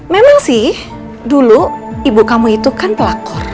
memang sih dulu ibu kamu itu kan pelakor